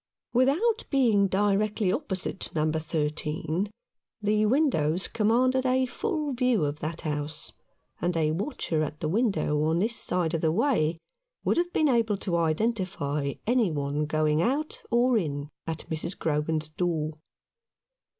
Without being directly opposite No. 13, the windows commanded a full view of that house, and a watcher at the window on this side of the way would have been able to identify any one going out or in at Mrs. Grogan's door.